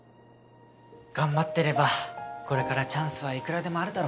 頑張ってればこれからチャンスはいくらでもあるだろ。